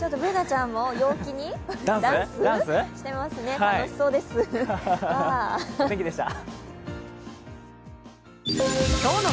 Ｂｏｏｎａちゃんも陽気にダンスしてますね、お天気でした。